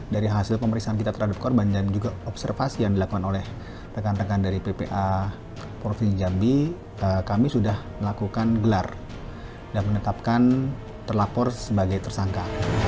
dari hasil pemeriksaan kita terhadap korban dan juga observasi yang dilakukan oleh rekan rekan dari ppa provinsi jambi kami sudah melakukan gelar dan menetapkan terlapor sebagai tersangka